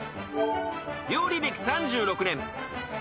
［料理歴３６年］